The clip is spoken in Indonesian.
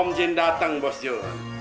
om jin dateng bos jul